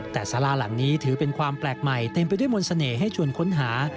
แต่สาราหลังนี้ถือเป็นความแปลกใหม่เต็มไปด้วยมนต์เสน่ห์ให้ชวนค้นหา